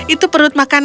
itu perut makananmu